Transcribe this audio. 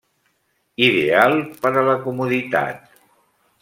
Ideal per a la comoditat.